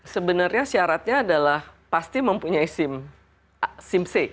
sebenarnya syaratnya adalah pasti mempunyai sim c